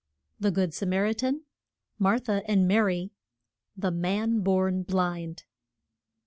THE GOOD SAMARITAN. MARTHA AND MARY. THE MAN BORN BLIND.